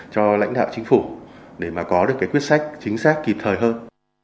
cho lãnh đạo chính phủ để mà có được cái quyết sách chính xác kịp thời hơn